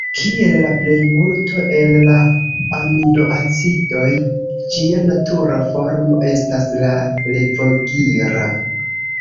Kiel la plejmulto el la aminoacidoj, ĝia natura formo estas la levogira.